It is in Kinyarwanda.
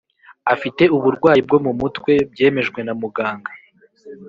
Afite uburwayi bwo mu mutwe byemejwe na muganga